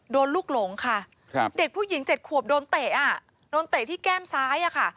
ลูกหลงค่ะเด็กผู้หญิง๗ขวบโดนเตะอ่ะโดนเตะที่แก้มซ้ายอะค่ะ